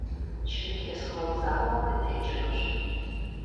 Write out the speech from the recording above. Черкесск вокзалым дытекӏынущ.